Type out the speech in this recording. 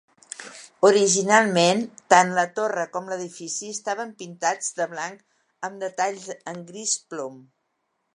Originalment, tant la torre com l'edifici estaven pintats de blanc amb detalls en gris plom.